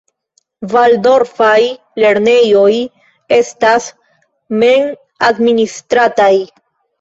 Valdorfaj lernejoj estas mem-administrataj.